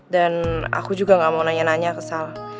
dan aku juga gak mau nanya nanya ke sal